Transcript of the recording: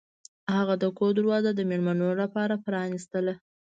هغه د کور دروازه د میلمنو لپاره پرانیستله.